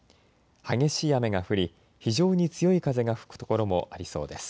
激しい雨が降り非常に強い風が吹く所もありそうです。